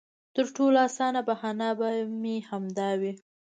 تر ټولو اسانه بهانه به مې همدا وي.